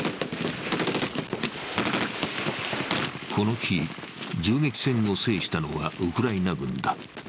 この日、銃撃戦を制したのはウクライナ軍だ。